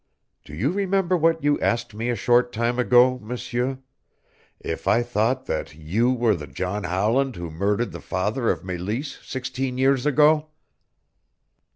Do you remember what you asked me a short time ago, M'seur if I thought that you were the John Howland who murdered the father of Meleese sixteen years ago?